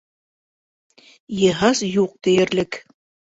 Йыһаз юҡ тиерлек.